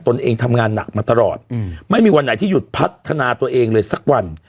ตัวเองทำงานหนักมาตลอดไม่มีวันไหนที่หยุดพัฒนาตัวเองเลยสักวัน